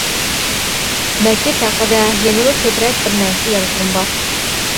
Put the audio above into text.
مەكىت ھەققىدە يەنىمۇ كۆپرەك بىر نەرسە يازغۇم بار.